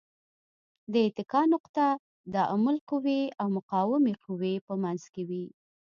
د اتکا نقطه د عامل قوې او مقاومې قوې په منځ کې وي.